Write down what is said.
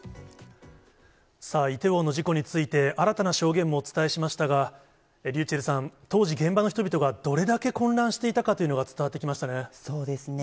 さあ、イテウォンの事故について、新たな証言もお伝えしましたが、ｒｙｕｃｈｅｌｌさん、当時、現場の人々がどれだけ混乱していたかというのが伝わってきましたそうですね。